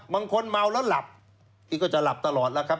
บางคนเมาแล้วหลับพี่ก็จะหลับตลอดแล้วครับ